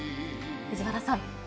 藤原さん。